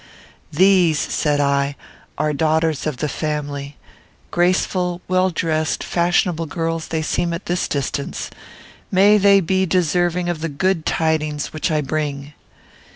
"These," said I, "are daughters of the family. Graceful, well dressed, fashionable girls they seem at this distance. May they be deserving of the good tidings which I bring!"